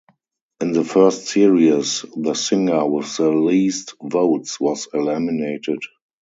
In the first series, the singer with the least votes was eliminated.